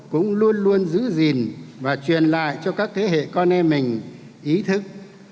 cũng luôn luôn giữ gìn và truyền lại cho các thế hệ con em mình ý thức